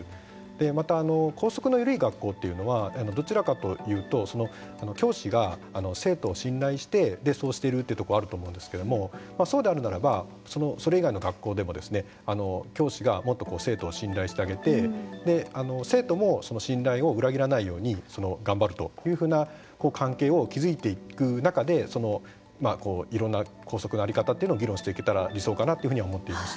また校則のゆるい学校というのはどちらかというと教師が生徒を信頼してそうしているところがあると思うんですけれどもそうであるならばそれ以外の学校でも教師がもっとこう生徒を信頼してあげて生徒も、その信頼を裏切らないように頑張るというふうな関係を築いていく中でいろんな校則の在り方というのを議論をしていけたら理想かなというふうには思っています。